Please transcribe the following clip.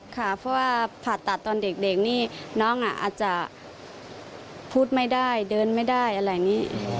ค่ะเพราะว่าผ่าตัดตอนเด็กนี่น้องอาจจะพูดไม่ได้เดินไม่ได้อะไรอย่างนี้